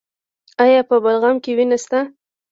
ایا په بلغم کې وینه شته؟